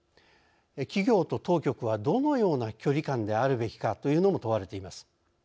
企業と当局はどのような距離感であるべきかというのも問われています。